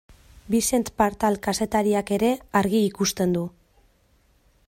Vicent Partal kazetariak ere argi ikusten du.